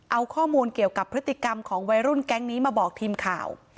เอาข้อมูลเกี่ยวกับพฤติกรรมของวัยรุ่นแก๊งนี้มาบอกทีมข่าว